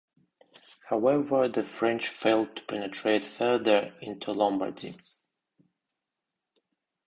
However the French failed to penetrate further into Lombardy.